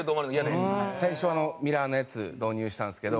最初ミラーのやつ導入したんですけど。